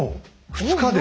２日で？